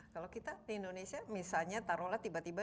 kalau kita di indonesia misalnya taruhlah tiba tiba